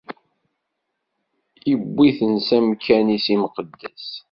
Iwwi-ten s amkan-is imqeddes.